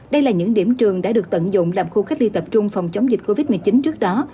đây là những điểm trường đã được tận dụng làm khu cách ly tập trung phòng chống dịch covid một mươi chín trước đó